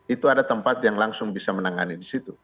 itu ada tempat yang langsung bisa menangani di situ